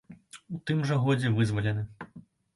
У тым жа годзе вызвалены.